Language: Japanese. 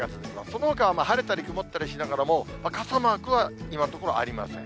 そのほかは晴れたり曇ったりしながらも、傘マークは今のところありません。